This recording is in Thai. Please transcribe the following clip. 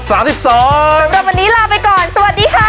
สำหรับวันนี้ลาไปก่อนสวัสดีค่ะ